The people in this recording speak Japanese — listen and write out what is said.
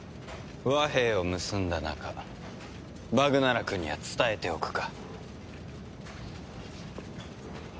和平を結んだ仲バグナラクには伝えておくか。